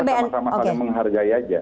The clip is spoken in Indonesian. jadi kita sama sama saling menghargai saja